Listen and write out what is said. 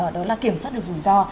đó là kiểm soát được rủi ro